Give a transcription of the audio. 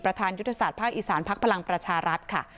ยุทธศาสตร์ภาคอีสานพักพลังประชารัฐค่ะ